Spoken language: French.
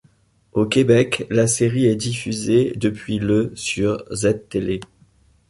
Au Québec, la série est diffusée depuis le sur Ztélé.